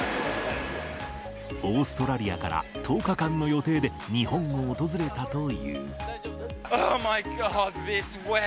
オーストラリアから１０日間の予定で日本を訪れたという。